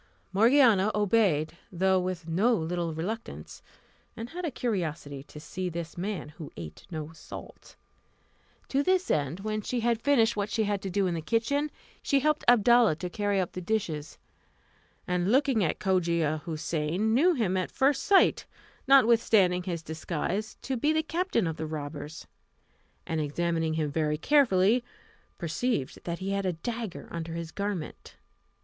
Morgiana obeyed, though with no little reluctance, and had a curiosity to see this man who ate no salt. To this end, when she had finished what she had to do in the kitchen, she helped Abdalla to carry up the dishes; and looking at Cogia Houssain, knew him at first sight, notwithstanding his disguise, to be the captain of the robbers, and examining him very carefully, perceived that he had a dagger under his garment.